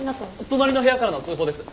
隣の部屋からの通報です。